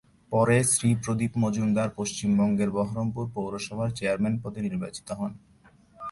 পরে শ্রী প্রদীপ মজুমদার পশ্চিমবঙ্গের বহরমপুর পৌরসভার চেয়ারম্যান পদে নির্বাচিত হন।